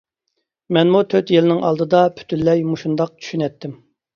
مەنمۇ تۆت يىلنىڭ ئالدىدا پۈتۈنلەي مۇشۇنداق چۈشىنەتتىم.